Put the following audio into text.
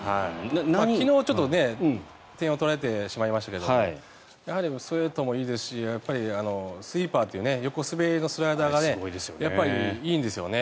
昨日、ちょっと点は取られてしまいましたけどやはりストレートもいいですしスイーパーという横滑りのスライダーがやっぱりいいんですよね。